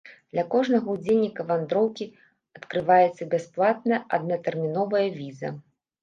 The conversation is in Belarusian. Для кожнага ўдзельніка вандроўкі адкрываецца бясплатная аднатэрміновая віза!